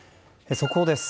速報です。